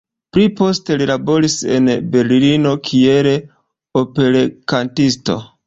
Pli poste li laboris en Berlino kiel operkantisto.